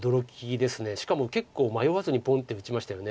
しかも結構迷わずにポンッて打ちましたよね。